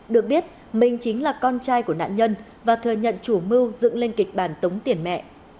được biết mình chính là con trai của nạn nhân và thừa nhận chủ mưu dựng lên kịch bản tống tiền mẹ